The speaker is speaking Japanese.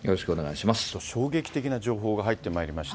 衝撃的な情報が入ってまいりました。